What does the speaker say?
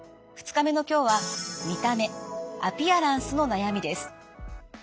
２日目の今日は「見た目『アピアランス』の悩み」です。